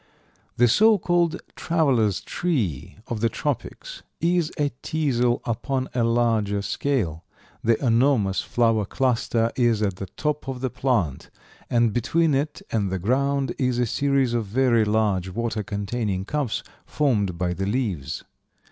The so called "travelers' tree" of the tropics is a teasel upon a larger scale. The enormous flower cluster is at the top of the plant, and between it and the ground is a series of very large water containing cups formed by the leaves.